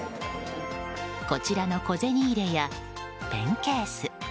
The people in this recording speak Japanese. こちらの小銭入れやペンケース。